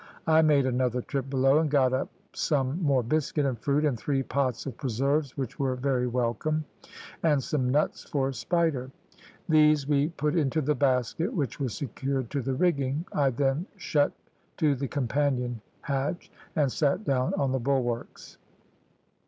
I made another trip below, and got up some more biscuit and fruit and three pots of preserves, which were very welcome, and some nuts for Spider. These we put into the basket, which was secured to the rigging. I then shut to the companion hatch, and sat down on the bulwarks.